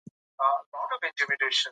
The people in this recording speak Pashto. که څه هم زما مخې ته ډېر کتابونه وو